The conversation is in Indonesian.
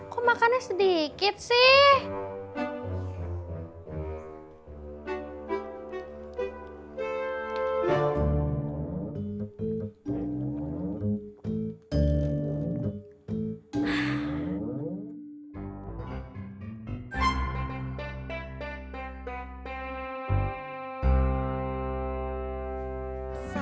kok makannya sedikit sih